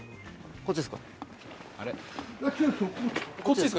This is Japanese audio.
こっちですか？